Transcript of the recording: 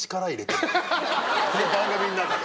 この番組の中で。